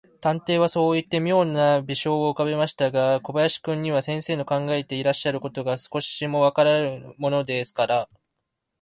探偵はそういって、みょうな微笑をうかべましたが、小林君には、先生の考えていらっしゃることが、少しもわからぬものですから、